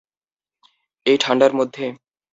এই ঠাণ্ডার মধ্যে!